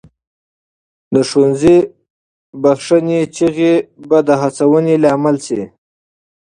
د ښوونځي بخښنې چیغې به د هڅونې لامل سي.